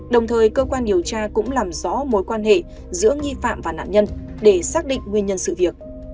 đồng thời cơ quan điều tra cũng làm rõ mối quan hệ giữa nghi phạm và nạn nhân để xác định nguyên nhân sự việc